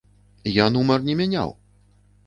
Я нумар не мяняў!